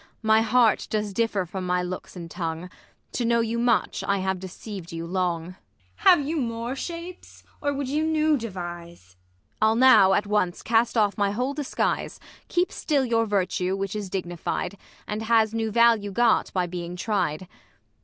My heart does differ from my looks and tongue, To know you much I have deceived you long. ISAB. Have you more shapes, or would you new devise 1 Ang. I'll now, at once, cast off my whole disguise. Keep still your virtue, which is dignified, And has new value got by being tried.